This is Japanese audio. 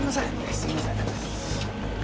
すいません。